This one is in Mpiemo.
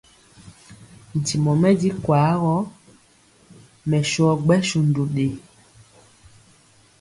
Ntimɔ mɛ di kwaa gɔ, mɛ sɔ gbɛsundu ɗe.